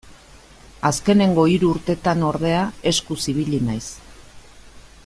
Azkenengo hiru urtetan, ordea, eskuz ibili naiz.